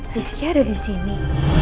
rizky ada disini